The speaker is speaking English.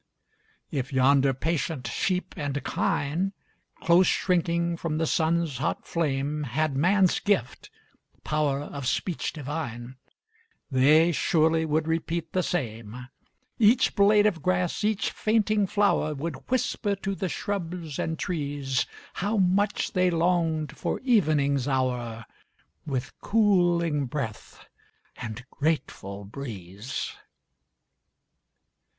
If yonder patient sheep and kine, Close shrinking from the sun's hot flame, Had man's gift "power of speech divine," They surely would repeat the same Each blade of grass, each fainting flower, Would whisper to the shrubs and trees, How much they longed for evening's hour, With cooling breath and grateful breeze.